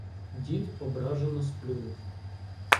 Дід ображено сплюнув: